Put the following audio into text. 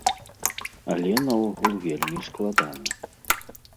Але, наогул, вельмі складана.